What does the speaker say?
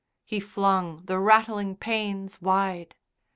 He flung the rattling panes wide.